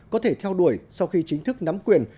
có thể theo đuổi sau khi chính thức nắm quyền